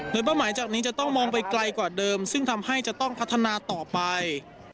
โดยเป้าหมายจากนี้จะต้องมองไปไกลกว่าเดิมซึ่งทำให้จะต้องพัฒนาต่อไป